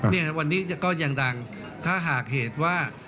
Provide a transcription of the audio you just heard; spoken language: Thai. เนี่ยวันนี้ก็ยังดังถ้าหากเหตุว่า